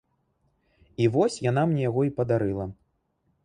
І вось яна мне яго і падарыла.